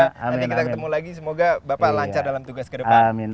nanti kita ketemu lagi semoga bapak lancar dalam tugas ke depan